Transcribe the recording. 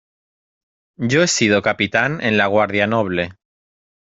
yo he sido capitán en la Guardia Noble.